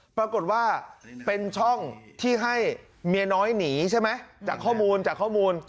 ปรากฏว่าเป็นช่องที่ให้เมียน้อยหนีใช่ไหมจากข้อมูลจากข้อมูล